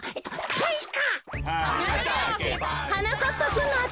かいか！